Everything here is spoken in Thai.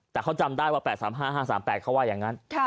แต่เขาจำได้ว่า๘๓๕๕๓๘เขาว่าอย่างนั้น